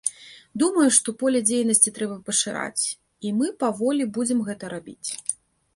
Думаю, што поле дзейнасці трэба пашыраць, і мы паволі будзем гэта рабіць.